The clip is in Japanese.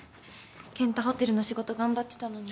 健太ホテルの仕事頑張ってたのに。